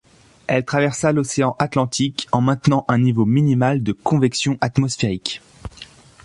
Elle traversa l'océan Atlantique, en maintenant un niveau minimal de convection atmosphérique.